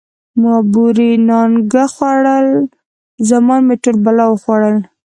ـ ما بورې نانګه خوړل، زامن مې ټول بلا وخوړل.